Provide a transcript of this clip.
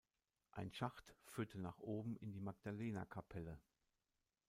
Ein Schacht führte nach oben in die Magdalena-Kapelle.